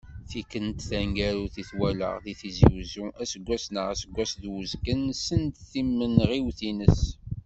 Tikkelt taneggarut i t-walaɣ, deg Tizi Uzzu, aseggas neɣ aseggas d uzgen send timenɣiwt-ines.